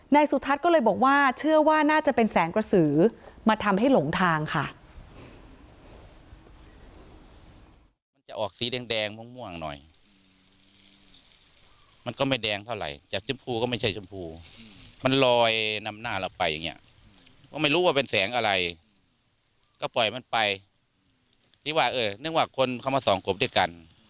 สุทัศน์ก็เลยบอกว่าเชื่อว่าน่าจะเป็นแสงกระสือมาทำให้หลงทางค่ะ